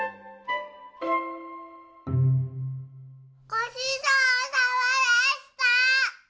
ごちそうさまでした！